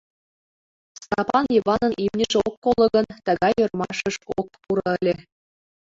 Стапан Йыванын имньыже ок коло гын, тыгай ӧрмашыш ок пуро ыле.